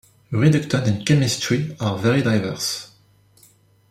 Reductants in chemistry are very diverse.